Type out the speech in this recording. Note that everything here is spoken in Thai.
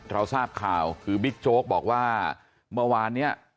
เราทราบข่าวคือบิ๊กโจ๊กบอกว่าเมื่อวานเนี่ย